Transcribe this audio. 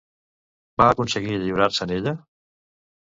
Va aconseguir lliurar-se'n, ella?